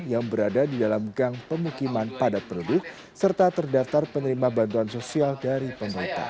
yang berada di dalam gang pemukiman padat penduduk serta terdaftar penerima bantuan sosial dari pemerintah